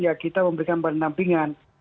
ya kita memberikan pendampingan